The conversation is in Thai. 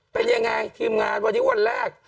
เป็นยังไงทีมงานวันนี้วันแรก